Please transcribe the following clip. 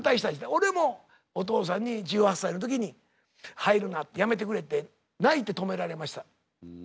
俺もお父さんに１８歳の時に「入るなやめてくれ」って泣いて止められました。